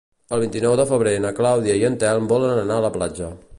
El vint-i-nou de febrer na Clàudia i en Telm volen anar a la platja.